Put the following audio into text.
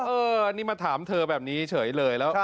เออนี่มาถามเธอแบบนี้เฉยเลย